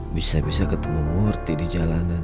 bisa bisa ketemu murti di jalanan